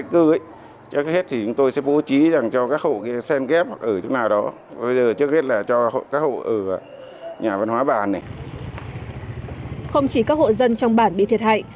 không chỉ các hộ dân trong bản bị thiệt hại